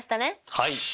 はい！